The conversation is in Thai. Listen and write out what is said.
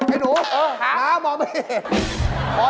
ไอ้หนูน้ามองไม่เห็น